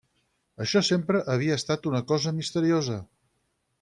Això sempre havia estat una cosa misteriosa.